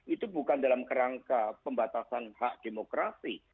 itu bukan dalam kerangka pembatasan hak demokrasi